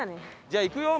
じゃあ行くよ。